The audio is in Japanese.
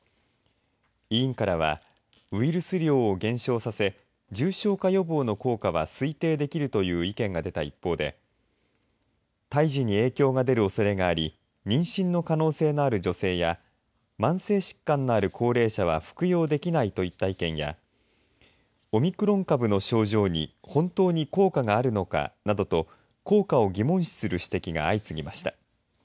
委員からはウイルス量を減少させ重症化予防の効果は推定できるという意見が出た一方で胎児に影響が出るおそれがあり妊娠の可能性のある女性や慢性疾患のある高齢者は服用できないといった意見やオミクロン株の症状に本当に効果があるのかなどと効果を疑問視する指摘が相次ぎました。